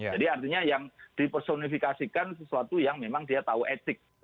jadi artinya yang dipersonifikasikan sesuatu yang memang dia tahu etik